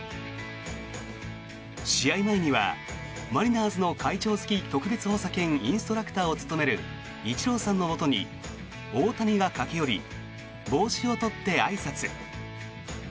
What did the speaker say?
試合前にはマリナーズの会長付き特別補佐兼インストラクターを務めるイチローさんのもとに大谷が駆け寄り帽子を取ってあいさつ。